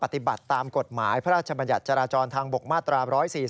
ปฏิบัติตามกฎหมายพระราชบัญญัติจราจรทางบกมาตรา๑๔๔